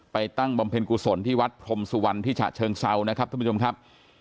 ตั้งบำเพ็ญกุศลที่วัดพรมสุวรรณที่ฉะเชิงเซานะครับท่านผู้ชมครับ